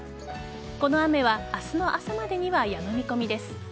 この雨は明日の朝までにはやむ見込みです。